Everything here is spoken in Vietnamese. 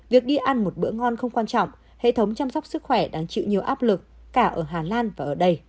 việc đi ăn một bữa ngon không quan trọng hệ thống chăm sóc sức khỏe đang chịu nhiều áp lực cả ở hà lan và ở đây